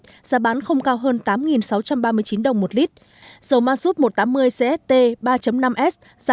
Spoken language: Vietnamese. giá bán không cao hơn tám sáu trăm ba mươi chín đồng một lít dầu mazub một trăm tám mươi cst ba năm s giảm một trăm hai mươi sáu đồng một kg